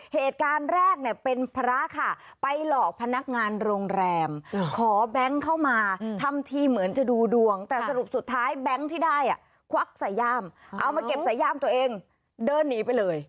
เหตุการณ์แรกเนี่ยเป็นพระค่ะไปหลอกพนักงานโรงแรมขอแบงค์เข้ามาทำทีเหมือนจะดูดวงแต่สรุปสุดท้ายแบงค์ที่ได้ควักสายย่ามเอามาเก็บใส่ย่ามตัวเองเดินหนีไปเลย